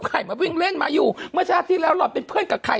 ใครมาวิ่งเล่นมาอยู่เมื่อชาติที่แล้วหล่อนเป็นเพื่อนกับใคร